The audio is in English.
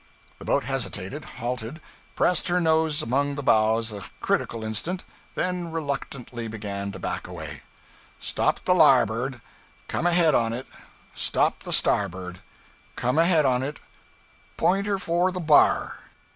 The boat hesitated, halted, pressed her nose among the boughs a critical instant, then reluctantly began to back away. 'Stop the larboard. Come ahead on it. Stop the starboard. Come ahead on it. Point her for the bar.'